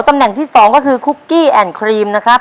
ตำแหน่งที่๒ก็คือคุกกี้แอนด์ครีมนะครับ